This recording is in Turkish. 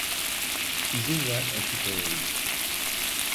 İzin ver açıklayayım.